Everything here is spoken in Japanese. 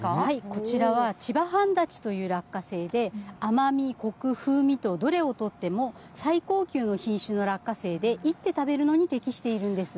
こちらは千葉半立という落花生で甘み、こく、風味とどれを取っても最高級の品種の落花生でいって食べるのに適しているんです。